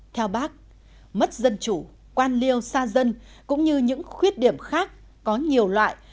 theo bác mất dân chủ quan liêu xa dân cũng như những khuyết điểm khác có nhiều loại